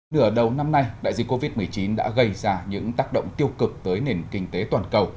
nửa đầu năm nay đại dịch covid một mươi chín đã gây ra những tác động tiêu cực tới nền kinh tế toàn cầu